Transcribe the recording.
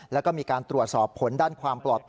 แล้วก็มีการตรวจสอบผลด้านความปลอดภัย